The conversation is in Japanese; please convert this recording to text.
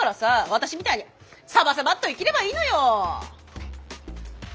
私みたいにサバサバっと生きればいいのよ。